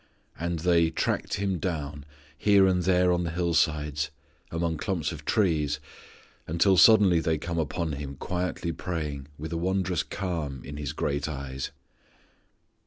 And they "tracked Him down" here and there on the hillsides, among clumps of trees, until suddenly they come upon Him quietly praying with a wondrous calm in His great eyes.